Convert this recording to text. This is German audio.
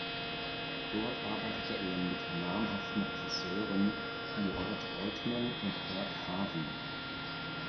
Dort arbeitete er mit namhaften Regisseuren wie Robert Altman und Herk Harvey.